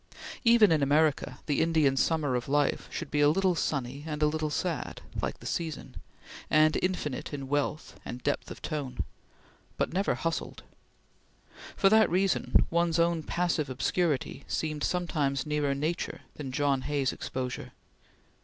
Even in America, the Indian Summer of life should be a little sunny and a little sad, like the season, and infinite in wealth and depth of tone but never hustled. For that reason, one's own passive obscurity seemed sometimes nearer nature than John Hay's exposure.